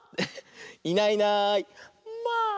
「いないいないまあ！」。